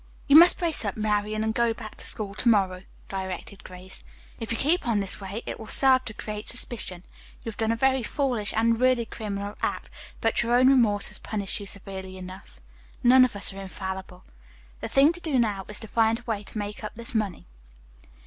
"You must brace up, Marian, and go back to school to morrow," directed Grace. "If you keep on this way it will serve to create suspicion. You have done a very foolish and really criminal act, but your own remorse has punished you severely enough. None of us are infallible. The thing to do now, is to find a way to make up this money."